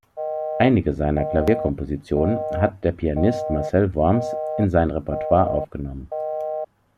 Einige seiner Klavierkompositionen hat der Pianist Marcel Worms in sein Repertoire aufgenommen.